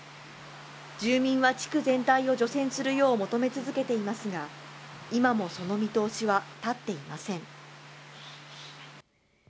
住民は地区全体を除染するよう求め続けていますが今もその見通しは立っていません。